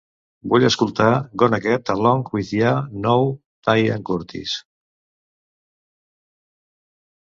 Vull escoltar Gonna Get Along Without Ya Now d'Ian Curtis.